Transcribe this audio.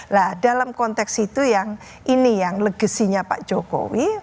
nah dalam konteks itu yang ini yang legasinya pak jokowi